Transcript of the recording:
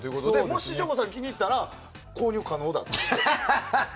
もし省吾さんが気に入れば購入可能だと。